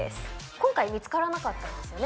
今回見つからなかったんですよね。